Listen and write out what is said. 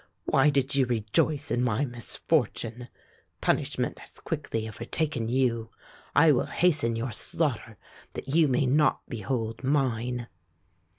Why did you rejoice in my misfortune Punishment has quickly overtaken you. I will hasten your slaughter that you may not behold mine."